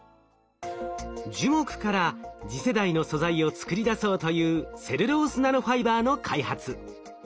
樹木から次世代の素材を作り出そうというセルロースナノファイバーの開発。